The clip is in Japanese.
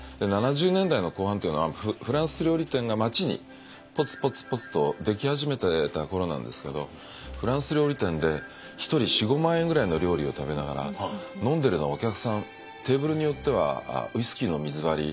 ７０年代の後半っていうのはフランス料理店が街にポツポツポツと出来始めてた頃なんですけどフランス料理店で１人４５万円ぐらいの料理を食べながら飲んでるのはお客さんテーブルによってはウイスキーの水割り